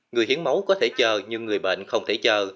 người hiến máu có thể chờ nhưng người bệnh không thể chờ